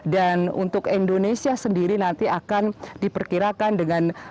dan untuk indonesia sendiri nanti akan diperkirakan dengan